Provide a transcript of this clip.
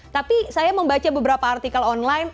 tapi saya membaca beberapa artikel online